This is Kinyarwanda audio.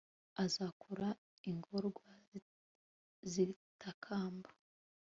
azarokora ingorwa zitakamba